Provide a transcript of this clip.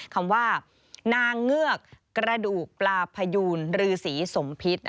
คำว่านางเงือกกระดูกปลาพยูนรือสีสมพิษ